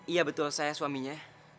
iya betul saya suaminya